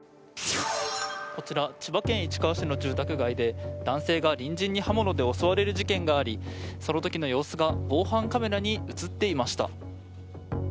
こちら千葉県市川市の住宅街で、男性が隣人に刃物で襲われる事件がありそのときの様子が防犯カメラに映っていました。